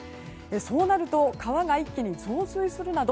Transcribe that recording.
そうなると川が一気に増水するなど